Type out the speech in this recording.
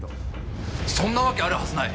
そんなわけあるはずない